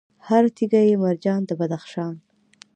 هر تیږه یې مرجان د بدخشان